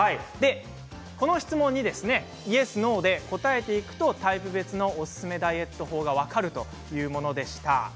この質問にイエス、ノーで答えていくとタイプ別のおすすめダイエット法が分かるというものでした。